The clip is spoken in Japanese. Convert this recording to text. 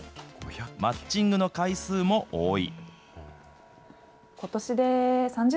マッチングの回数も多い。